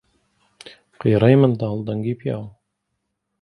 قیڕەی مناڵ دەنگی پیاو